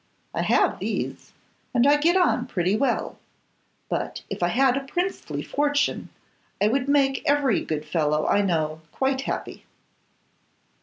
I have these, and I get on pretty well; but if I had a princely fortune I would make every good fellow I know quite happy.